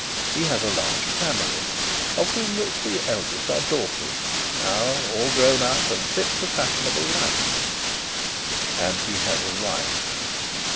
He has a large family, of whom the three eldest are daughters, now all grown up and fit for fashionable life; and he has a wife.